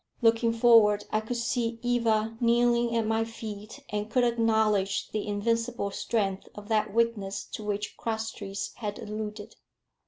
Looking forward, I could see Eva kneeling at my feet, and could acknowledge the invincible strength of that weakness to which Crosstrees had alluded.